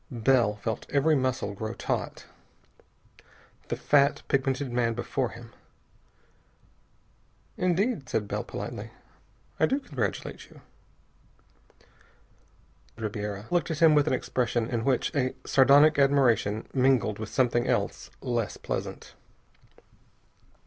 Bell felt every muscle grow taut. The fat, pigmented man before him.... "Indeed," said Bell politely, "I do congratulate you." Ribiera looked at him with an expression in which a sardonic admiration mingled with something else less pleasant.